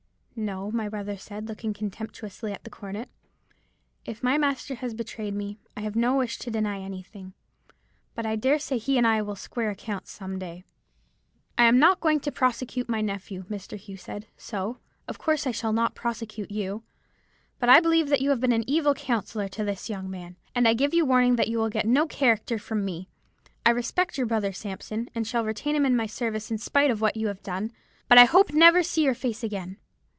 "'No,' my brother said, looking contemptuously at the cornet. 'If my master has betrayed me, I have no wish to deny anything. But I dare say he and I will square accounts some day.' "'I am not going to prosecute my nephew,' Mr. Hugh said; 'so, of course I shall not prosecute you. But I believe that you have been an evil counsellor to this young man, and I give you warning that you will get no character from me. I respect your brother Sampson, and shall retain him in my service in spite of what you have done; but I hope never to see your face again.